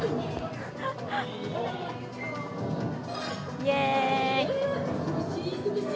イエーイ！